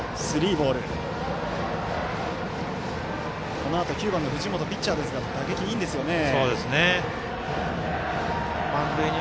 このあと９番の藤本ピッチャーですが打撃いいんですよね。